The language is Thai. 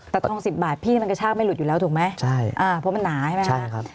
แต่ทอง๑๐บาทพี่มันกระชากไม่หลุดอยู่แล้วถูกไหมพอมันหนาใช่ไหมครับใช่ครับ